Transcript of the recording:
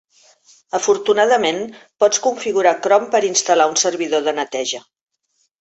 Afortunadament, pots configurar Chrome per a instal·lar un servidor de neteja.